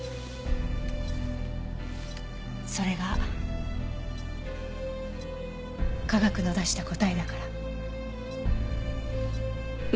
それが科学の出した答えだから。